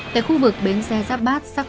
tại khu vực bến xe giáp bát